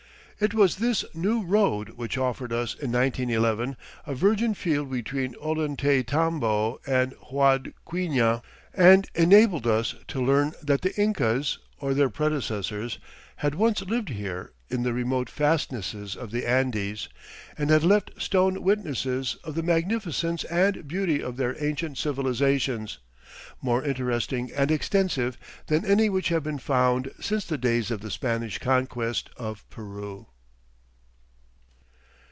It was this new road which offered us in 1911 a virgin field between Ollantaytambo and Huadquiña and enabled us to learn that the Incas, or their predecessors, had once lived here in the remote fastnesses of the Andes, and had left stone witnesses of the magnificence and beauty of their ancient civilization, more interesting and extensive than any which have been found since the days of the Spanish Conquest of Peru.